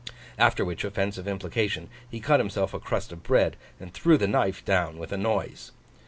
After which offensive implication, he cut himself a crust of bread, and threw the knife down with a noise.